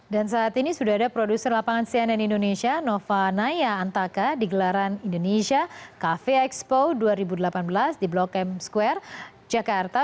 dan saat ini sudah ada produser lapangan cnn indonesia nova naya antaka di gelaran indonesia cafe expo dua ribu delapan belas di blok m square jakarta